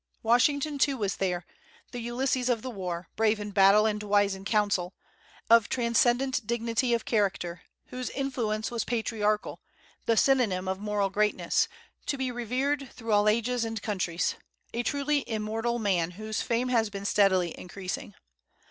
Washington, too, was there, the Ulysses of the war, brave in battle and wise in council, of transcendent dignity of character, whose influence was patriarchal, the synonym of moral greatness, to be revered through all ages and countries; a truly immortal man whose fame has been steadily increasing.